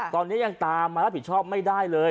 ตอนนี้ยังตามมารับผิดชอบไม่ได้เลย